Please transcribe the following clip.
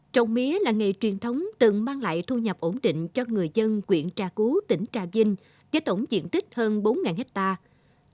trồng mía là nghề truyền thống từng mang lại thu nhập ổn định cho người dân quyện trà cú tỉnh trà vinh với tổng diện tích hơn bốn hectare